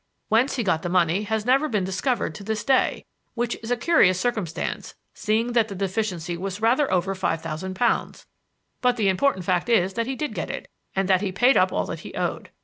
Whence he got the money has never been discovered to this day, which is a curious circumstance, seeing that the deficiency was rather over five thousand pounds; but the important fact is that he did get it and that he paid up all that he owed.